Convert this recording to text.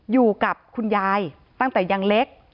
อยู่กับคุณยายตั้งแต่ยังเล็ก